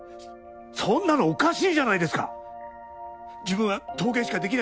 そんなのおかしいじゃないですか！